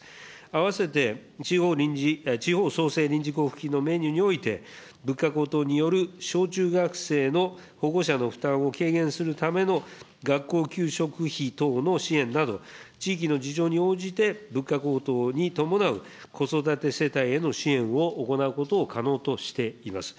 併せて地方創生臨時交付金のメニューにおいて、物価高騰による、小中学生の保護者の負担を軽減するための学校給食費等の支援など、地域の事情に応じて、物価高騰に伴う子育て世帯への支援を行うことを可能としています。